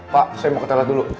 pak saya mau ke toilet dulu